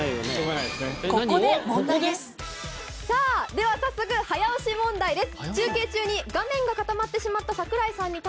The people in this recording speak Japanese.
さぁでは早速早押し問題です。